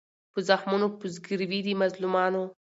په زخمونو په زګیروي د مظلومانو